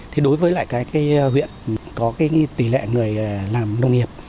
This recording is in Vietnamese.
thì đối với lại cái huyện có cái tỷ lệ người làm nông nghiệp